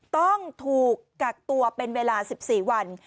ต้องถูกกักตัวเป็นเวลา๑๔วัน